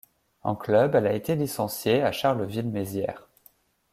En club, elle a été licenciée à Charleville-Mézières.